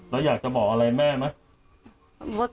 แล้วอยากจะบอกอะไรแม่ไหม